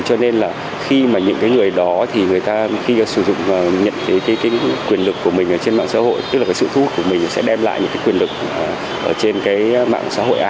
cho nên là khi mà những người đó thì người ta khi nhận thấy quyền lực của mình trên mạng xã hội tức là sự thu hút của mình sẽ đem lại những quyền lực trên mạng xã hội ạ